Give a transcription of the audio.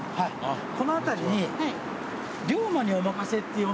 この辺りに。